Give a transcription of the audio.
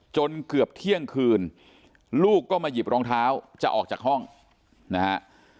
จนเกือบเที่ยงคืนลูกก็มาหยิบรองเท้าจะออกจากห้องนะฮะ